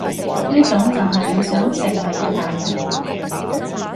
呢種就係你想成為嘅大人？